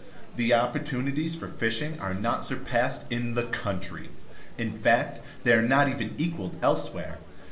The opportunities for fishing are not surpassed in the country; in fact, they are not even equaled elsewhere.